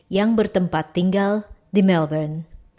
yang bertempat tinggal di melbourne